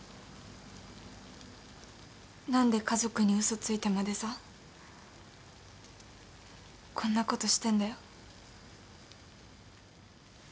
何で家族に嘘ついてまでさこんなことしてんだよ？